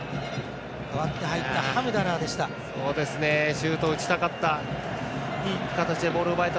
代わって入ったハムダラーでした。